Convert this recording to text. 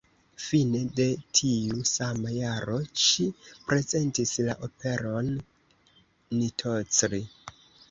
Fine de tiu sama jaro ŝi prezentis la operon "Nitocri".